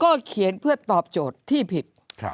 ก็เขียนเพื่อตอบโจทย์ที่ผิด